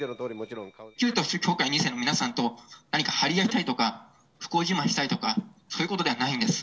旧統一教会の２世の皆さんと何か張り合いたいとか、不幸自慢をしたいとか、そういうことではないんです。